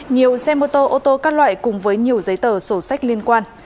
nhiều xe mô tô ô tô các loại cùng với nhiều giấy tờ sổ sách liên quan